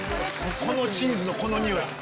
このチーズのこの匂い！